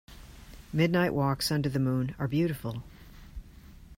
Midnight walks under the moon are beautiful.